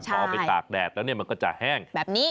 พอเอาไปตากแดดแล้วนี่มันก็จะแห้ง